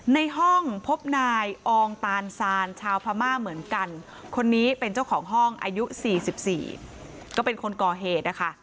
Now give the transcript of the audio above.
ในห้องพบนายอองตานซานชาวพม่าเหมือนกันคนนี้เป็นเจ้าของห้องอายุ๔๔ก็เป็นคนก่อเหตุนะคะ